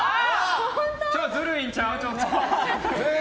ずるいんちゃう？